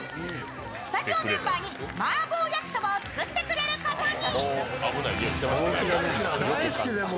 スタジオメンバーにマーボー焼きそばを作ってくれることに。